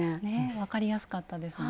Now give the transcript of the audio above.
分かりやすかったですね。